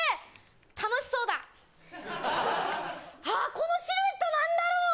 楽しそうだああこのシルエットなんだろう